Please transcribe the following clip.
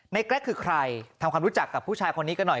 แกรกคือใครทำความรู้จักกับผู้ชายคนนี้กันหน่อย